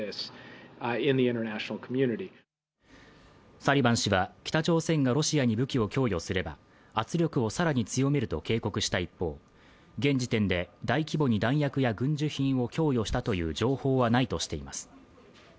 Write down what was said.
サリバン氏は北朝鮮がロシアに武器を供与すれば圧力を更に強めると警告した一方、現時点で大規模に弾薬や軍需品を供与したという情報はないとしています。